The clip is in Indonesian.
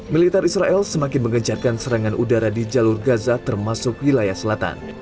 militer israel semakin mengejarkan serangan udara di jalur gaza termasuk wilayah selatan